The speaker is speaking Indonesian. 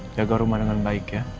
jaga rumah dengan baik ya